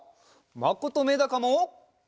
まことめだかも！